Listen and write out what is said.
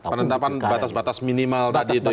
penetapan batas batas minimal tadi itu ya